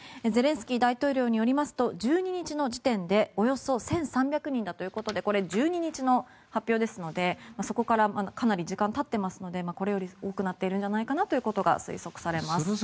ゼレンスキー大統領によりますと１２日の時点でおよそ１３００人だということでこれ、１２日の発表ですのでそこからかなり時間がたっていますのでこれより多くなっているんじゃないかと推測されます。